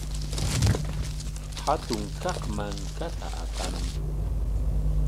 Hatun kaq mankata apamuy.